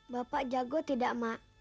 bapak jago tidak mak